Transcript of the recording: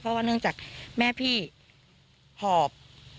เพราะว่าเนื่องจากแม่พี่หอบ